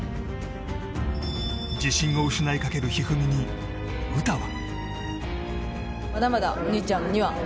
自信を失いかける一二三に詩は。